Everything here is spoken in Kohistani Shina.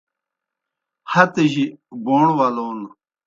ہتِجیْ بوݨ ولون